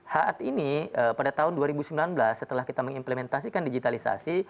saat ini pada tahun dua ribu sembilan belas setelah kita mengimplementasikan digitalisasi